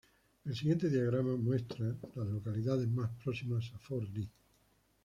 El siguiente diagrama muestra las localidades más próximas a Fort Lee.